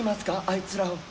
あいつらを。